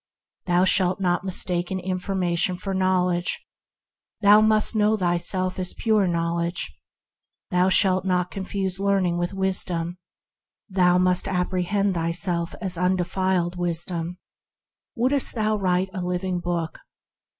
Thou shalt not mistake information for Knowledge; thou must know thyself as pure Knowledge. Thou shalt not confuse learning with Wisdom; thou must apprehend thyself as undefined Wis dom. GREATNESS AND GOODNESS 149 Wouldst thou write a living book